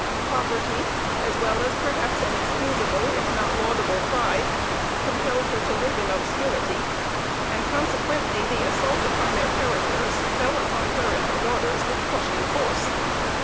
Poverty, as well as perhaps an excusable if not laudable pride, compelled her to live in obscurity, and consequently the assault upon their characters fell upon her and her daughters with crushing force.